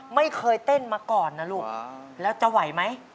ไม่เคยเต้นมาก่อนนะลูกแล้วจะไหวไหม